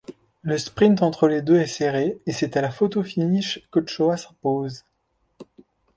Le sprint entre les deux est serré et c'est à la photo-finish, qu'Ochoa s'impose.